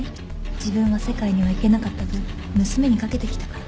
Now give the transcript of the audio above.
自分は世界には行けなかった分娘に懸けてきたから。